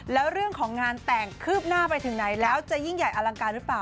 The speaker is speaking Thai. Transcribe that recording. แล้วเรื่องของงานแต่งคืบหน้าไปถึงไหนแล้วจะยิ่งใหญ่อลังการหรือเปล่า